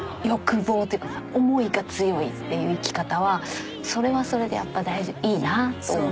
欲望というかさ思いが強いっていう生き方はそれはそれでやっぱ大事いいなと。